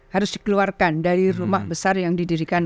harus dikeluarkan dari rumah besar yang didirikan